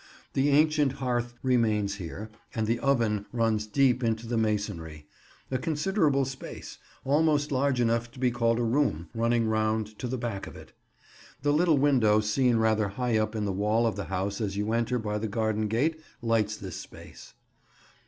The ancient hearth remains here, and the oven runs deep into the masonry: a considerable space—almost large enough to be called a room—running round to the back of it. The little window seen rather high up in the wall of the house as you enter by the garden gate lights this space.